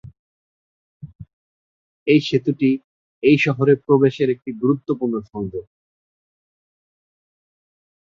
এই সেতুটি এই শহরে প্রবেশের একটি গুরুত্বপূর্ণ সংযোগ।